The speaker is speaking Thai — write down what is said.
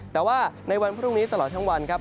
แต่ว่าในวันพรุ่งนี้ตลอดทั้งวันครับ